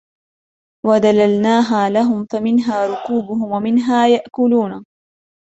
وذللناها لهم فمنها ركوبهم ومنها يأكلون